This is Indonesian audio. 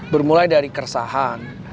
bermulai dari keresahan